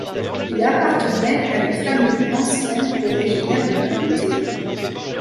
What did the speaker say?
Il appartenait à une famille ancienne originaire de la Comté.